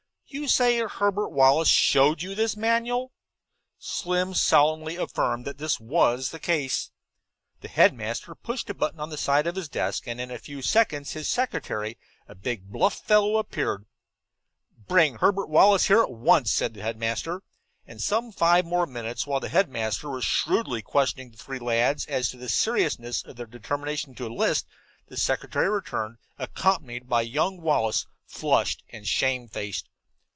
"You say Herbert Wallace showed you this in a manual?" Slim solemnly affirmed that that was the case. The headmaster pushed a button on the side of his desk and in a few seconds his secretary, a big, bluff fellow, appeared. "Bring Herbert Wallace here at once," said the headmaster. And in five more minutes, while the headmaster was shrewdly questioning the three lads as to the seriousness of their determination to enlist, the secretary returned, accompanied by young Wallace, flushed and shamefaced.